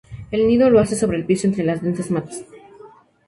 El nido lo hace sobre el piso, entre las densas matas.